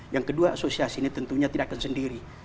yang kedua asosiasi ini tentunya tidak akan sendiri